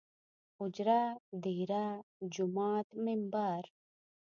اوجره ، ديره ،جومات ،ممبر